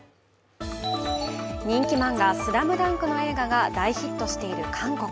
人気漫画「ＳＬＡＭＤＵＮＫ」の映画が大ヒットしている韓国。